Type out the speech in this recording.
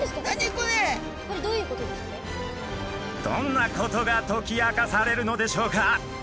どんなことが解き明かされるのでしょうか？